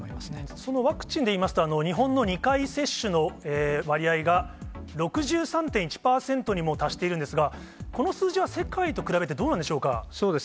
そのワクチンで言いますと、日本の２回接種の割合が６３．１％にもう達しているんですが、この数字は世界と比べてどうでしょうか？